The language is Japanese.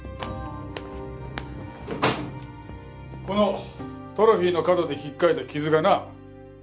このトロフィーの角で引っかいた傷がな。